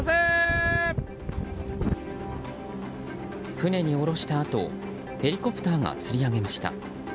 船に降ろしたあとヘリコプターがつり上げました。